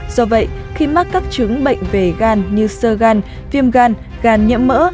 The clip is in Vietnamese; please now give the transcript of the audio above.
do vậy khi mắc các chứng bệnh về gan như sơ gan viêm gan gan nhiễm mỡ